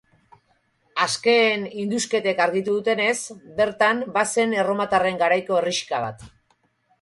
Azken indusketek argitu dutenez, bertan bazen erromatarren garaiko herrixka bat.